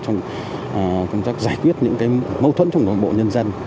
trong công tác giải quyết những mâu thuẫn trong nội bộ nhân dân